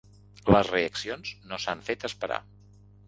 Les reaccions no s’han fet esperar.